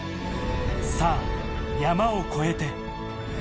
さぁ、山を越えて。